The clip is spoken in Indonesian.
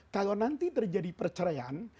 kalau nanti terjadi perceraian